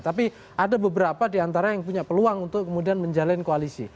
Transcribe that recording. tapi ada beberapa di antara yang punya peluang untuk kemudian menjalani koalisi